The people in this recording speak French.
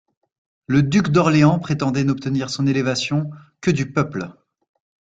Le duc d'Orléans prétendait n'obtenir son élévation que du peuple.